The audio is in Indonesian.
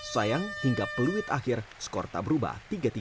sayang hingga peluit akhir skor tak berubah